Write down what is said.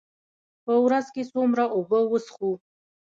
په ورځ کې څومره اوبه وڅښو؟